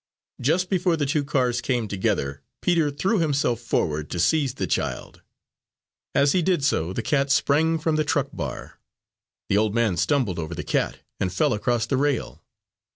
Just before the two cars came together, Peter threw himself forward to seize the child. As he did so, the cat sprang from the truck bar; the old man stumbled over the cat, and fell across the rail.